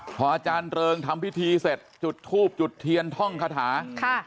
พออาจารย์เริงทำพิธีเสร็จจุดทูบจุดเทียนท่องคาถาค่ะ